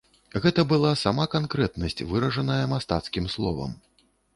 Гэта была сама канкрэтнасць, выражаная мастацкім словам.